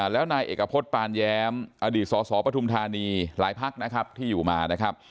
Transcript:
แล้วนายเอกพฤษปานแย้มอดีตสสปทุมธานีหลายพักนะครับที่อยู่มานะครับ